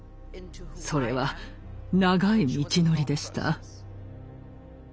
それは長い道のりでした。